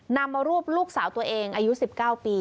นำมารูปลูกสาวตัวเองอายุ๑๙ปี